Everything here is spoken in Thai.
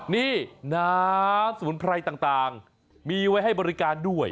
นี่น้ำสมุนไพรต่างมีไว้ให้บริการด้วย